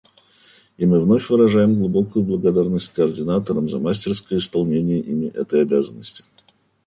И мы вновь выражаем глубокую благодарность координаторам за мастерское исполнение ими этой обязанности.